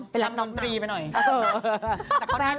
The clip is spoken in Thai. เป็นนักร้องนำนำมันตรีไปหน่อย